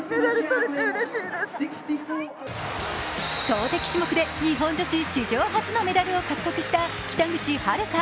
投てき種目で日本女子史上初のメダルを獲得した北口榛花。